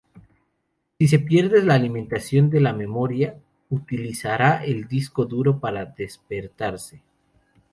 Si se pierde la alimentación de la memoria, utilizará el disco duro para despertarse.